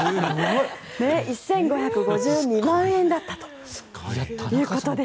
１５５２万円だったということです。